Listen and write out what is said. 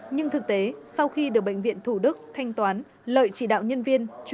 nhưng thực tế sau khi được bệnh viện thủ đức thanh toán lợi chỉ đạo nhân viên